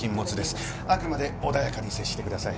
あくまで穏やかに接してください。